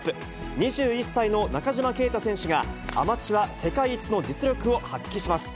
２１歳の中島啓太選手が、アマチュア世界一の実力を発揮します。